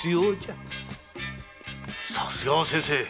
さすがは先生！